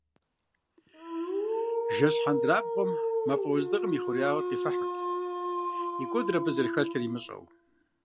Жэщ хьэндырабгъуэм мафӏэ уэздыгъэм и хъуреягъыр къифыхырт, и кӏуэдыр абы зэрыхэлъыр имыщӏэу.